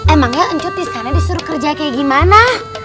emangnya encut disana disuruh kerja kayak gimana